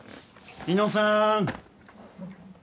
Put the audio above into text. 猪野さん。